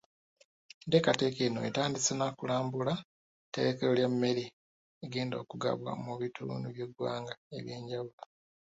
Enteekateeka eno etandise na kulambula tterekero lya mmere egenda okugabwa mu bitundu by’eggwanga ebyenjawulo.